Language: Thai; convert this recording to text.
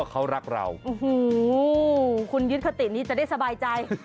โอ้โหคุณยึดคตินี้จะได้สบายใจ